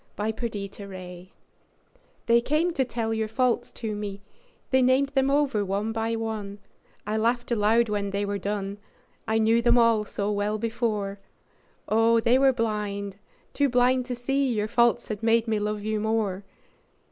Faults They came to tell your faults to me, They named them over one by one; I laughed aloud when they were done, I knew them all so well before, Oh, they were blind, too blind to see Your faults had made me love you more.